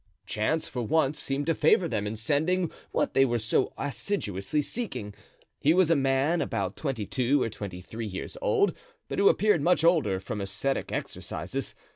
Chance for once seemed to favor them in sending what they were so assiduously seeking. He was a man about twenty two or twenty three years old, but who appeared much older from ascetic exercises.